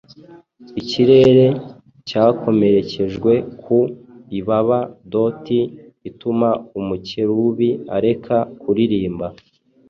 Ikirere cyakomerekejwe ku ibaba Doti ituma umukerubi areka kuririmba.